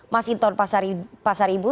mas hinton pasar ibu